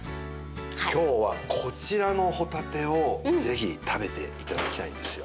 今日はこちらのほたてをぜひ食べて頂きたいんですよ。